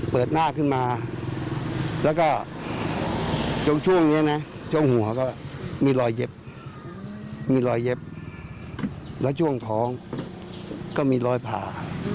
เปิดหน้าขึ้นมาแล้วก็จงช่วงนี้นะช่วงหัวก็มีรอยเย็บมีรอยเย็บแล้วช่วงท้องก็มีรอยผ่า